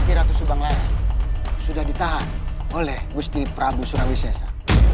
gusti ratu subang larang sudah ditahan oleh gusti prabu surawi sesa